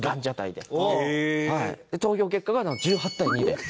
で投票結果が１８対２で。